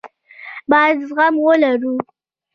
بايد زغم ولرو.